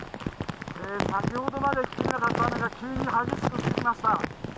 先ほどまで降っていなかった雨が急に激しく降ってきました。